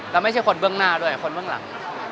แล้วไม่ใช่คนเบื้องหน้าด้วยคนเบื้องหลัง